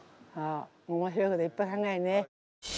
面白いこといっぱい考えんね。